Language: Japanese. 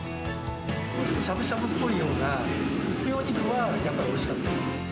しゃぶしゃぶっぽいような薄いお肉はやっぱりおいしかったです。